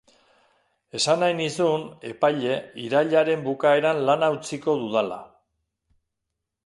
Esan nahi nizun, epaile, irailaren bukaeran lana utziko dudala.